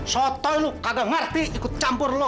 sotoy lu kagak ngerti ikut campur lu